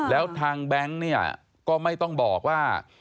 แล้วทางแบงก์ก็ไม่ต้องบอกว่า